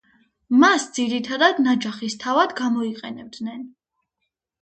მას ძირითადად ნაჯახის თავად გამოიყენებდნენ.